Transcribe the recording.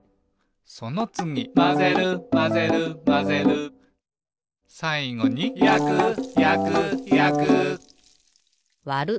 「そのつぎまぜるまぜるまぜる」「さいごにやくやくやく」「わる」